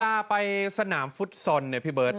มาต่อไปสนามฟุตซอลเนี่ยพี่เบิ๊ด